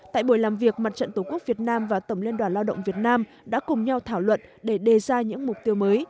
tại buổi làm việc mặt trận tổ quốc việt nam và tổng liên đoàn lao động việt nam đã cùng nhau thảo luận để đề ra những mục tiêu mới